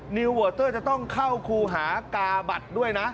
นิวเวอร์เตอร์จะต้องเข้าครูหากาบัตรด้วยนะ